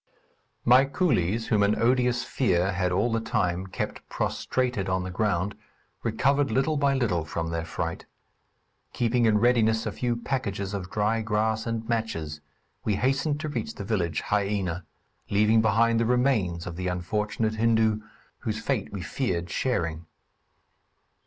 My coolies, whom an odious fear had all the time kept prostrated on the ground, recovered little by little from their fright. Keeping in readiness a few packages of dry grass and matches, we hastened to reach the village Haïena, leaving behind the remains of the unfortunate Hindu, whose fate we feared sharing.